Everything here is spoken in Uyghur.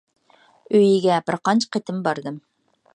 ئۆيىگە بىر قانچە قېتىم باردىم.